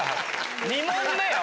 ２問目よ？